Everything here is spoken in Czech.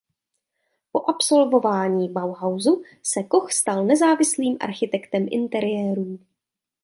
Po absolvování Bauhausu se Koch stal nezávislým architektem interiérů.